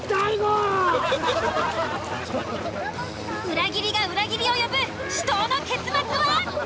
［裏切りが裏切りを呼ぶ死闘の結末は？］